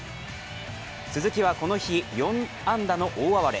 鈴木はこの日４安打の大暴れ。